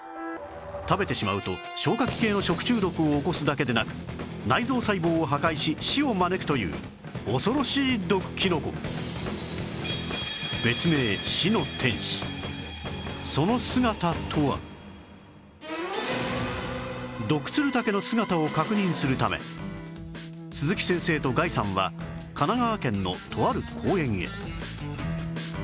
食べてしまうと消化器系の食中毒を起こすだけでなく内臓細胞を破壊し死を招くという恐ろしい毒キノコドクツルタケの姿を確認するため鈴木先生とガイさんは神奈川県のとある公園へ